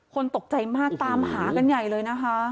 คนตกใจมากตามหากันใหญ่เลยนะคะ